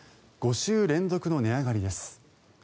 ５週連続の値上がりです。